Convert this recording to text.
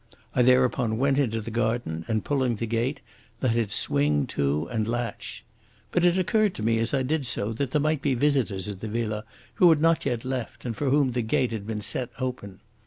I thereupon went into the garden, and, pulling the gate, let it swing to and latch. But it occurred to me as I did so that there might be visitors at the villa who had not yet left, and for whom the gate had been set open.